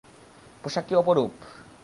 পোশাক কী অপরূপ!